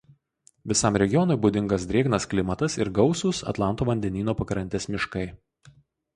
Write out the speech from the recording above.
Visam regionui būdingas drėgnas klimatas ir gausūs Atlanto vandenyno pakrantės miškai.